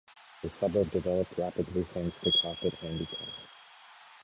The suburb developed rapidly thanks to carpet handicrafts.